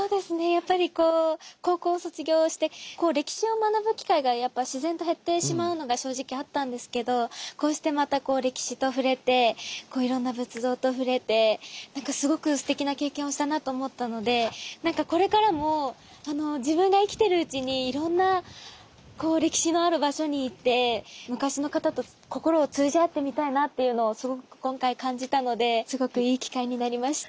やっぱりこう高校卒業して歴史を学ぶ機会が自然と減ってしまうのが正直あったんですけどこうしてまた歴史と触れていろんな仏像と触れてなんかすごくすてきな経験をしたなと思ったのでなんかこれからも自分が生きてるうちにいろんな歴史のある場所に行って昔の方と心を通じ合ってみたいなというのをすごく今回感じたのですごくいい機会になりました。